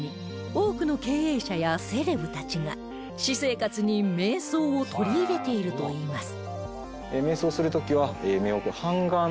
多くの経営者やセレブたちが私生活に瞑想を取り入れているといいます